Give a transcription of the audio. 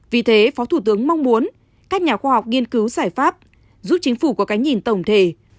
vì thế phó thủ tướng mong muốn các nhà khoa học nghiên cứu giải pháp giúp chính phủ có cái nhìn tổng thể